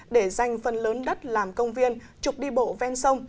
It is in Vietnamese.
để danh phần lớn đất làm công viên trục đi bộ ven sông